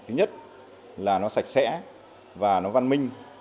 thứ nhất là nó sạch sẽ và nó văn minh